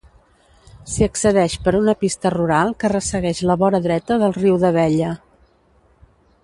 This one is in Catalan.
S'hi accedeix per una pista rural que ressegueix la vora dreta del riu d'Abella.